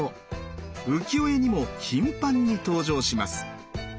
浮世絵にも頻繁に登場します。